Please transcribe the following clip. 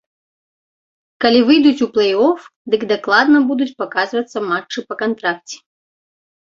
Калі выйдуць у плэй-оф, дык дакладна будуць паказвацца матчы па кантракце.